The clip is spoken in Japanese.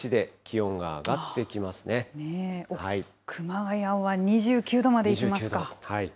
おっ、熊谷は２９度までいきますか。